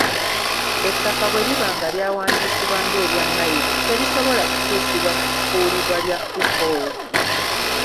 Ettaka bwe liba nga lyawandiisibwa ng’erya Mmayiro, terisobola kukyusibwa kufuulibwa lya freehold.